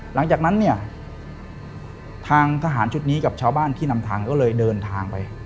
หลังจากนั้นเนี่ยทางทหารชุดนี้กับชาวบ้านที่นำทางก็เลยเดินทางไป